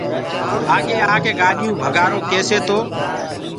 آگي آڪي گآڏيو ڀگآرو ڪيسي تو